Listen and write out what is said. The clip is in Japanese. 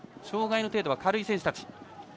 障がいの程度は軽い選手たち。